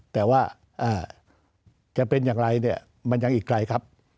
แต่ว่าจะเป็นอย่างไรเนี่ยมันยังอีกไกลครับ